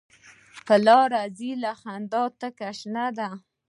په لاره ځي له خندا شینې دي.